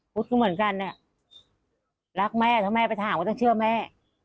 พุทธก็เหมือนกันเนี่ยรักแม่ถ้าแม่ไปถามก็ต้องเชื่อแม่